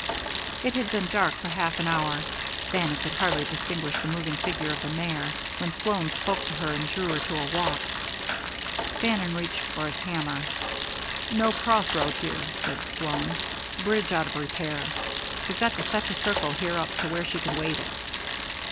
It had been dark for half an hour Bannon could hardly distinguish the moving figure of the mare when Sloan spoke to her and drew her to a walk. Bannon reached for his hammer. "No crossroad here," said Sloan. "Bridge out of repair. We've got to fetch a circle here up to where she can wade it."